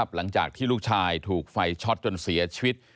หลังจากที่ลูกชายถูกไฟช็อตจนเสียชีวิต